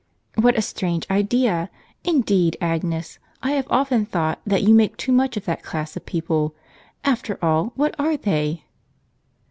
"What a strange idea! Indeed, Agnes, I have often thought that you make too much of that class of people. After all, what are they?"